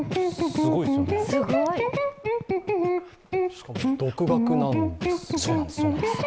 しかも独学なんですよね？